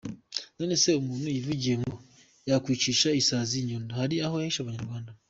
Nonese umuntu wivugiye ngo yakwicisha isazi inyundo, hari aho yahishe abanyarwanda?